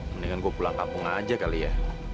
mendingan gue pulang kampung aja kali ya